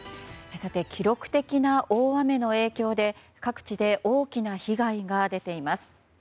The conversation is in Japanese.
記録的な大雨の影響で各地で大きな被害が出ています。